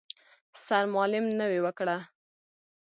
سرمالم نوې وکړه.